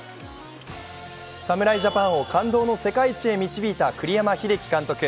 侍ジャパンを感動の世界一へ導いた栗山英樹監督。